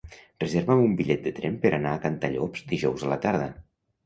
Reserva'm un bitllet de tren per anar a Cantallops dijous a la tarda.